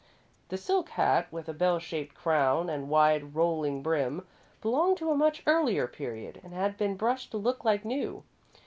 The silk hat, with a bell shaped crown and wide, rolling brim, belonged to a much earlier period, and had been brushed to look like new.